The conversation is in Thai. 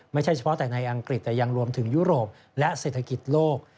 ไม่ใช่เฉพาะแต่ในอังกฤษแต่ยังรวมถึงยุโรปและเศรษฐกิจโลก